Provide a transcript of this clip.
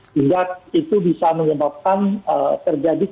tidak itu bisa menyebabkan terjadi